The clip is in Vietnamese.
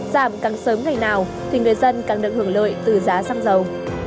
giảm càng sớm ngày nào thì người dân càng được hưởng lợi từ giá xăng dầu